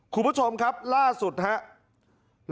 คุณผู้ชมครับล่าสุดครับ